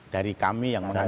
dari kami yang mengajarkan